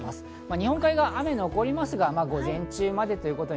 日本海側は雨が残りますが午前中まで。